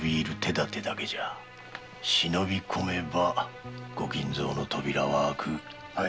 忍び込めば御金蔵の扉は開く。